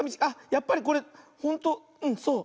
やっぱりこれほんとうんそう。